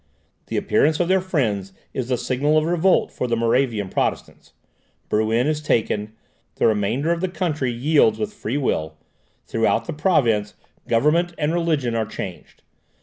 The appearance of their friends is the signal of revolt for the Moravian Protestants. Bruenn is taken, the remainder of the country yields with free will, throughout the province government and religion are changed.